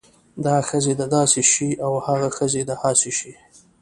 دا ښځې د داسې شی او هاغه ښځې د هاسې شی